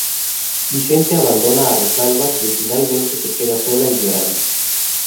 Vicente abandona a Rosalba, quien finalmente se queda sola y llorando.